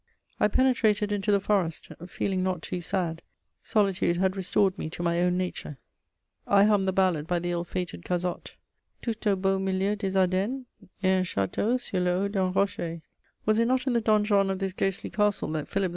I penetrated into the forest, feeling not too sad; solitude had restored me to my own nature. I hummed the ballad by the ill fated Cazotte: Tout au beau milieu des Ardennes, Est un château sur le haut d'un rocher. Was it not in the donjon of this ghostly castle that Philip II.